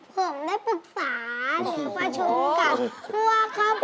ผมได้ปรึกษาหรือประชุมกับพวกครอบครัว